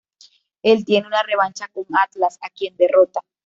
Él tiene una revancha con Atlas, a quien derrota.